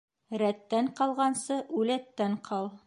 Рәттән ҡалғансы үләттән ҡал.